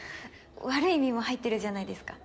悪い意味も入ってるじゃないですか。